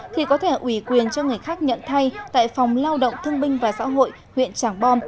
thì có thể ủy quyền cho người khác nhận thay tại phòng lao động thương binh và xã hội huyện trảng bom